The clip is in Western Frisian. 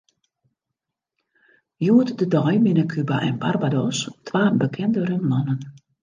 Hjoed-de-dei binne Kuba en Barbados twa bekende rumlannen.